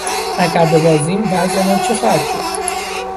اگر ببازیم وضعمان چه خواهد شد؟